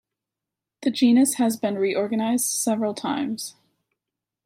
The genus has been reorganized several times.